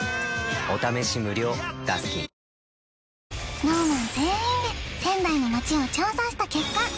ＳｎｏｗＭａｎ全員で仙台の街を調査した結果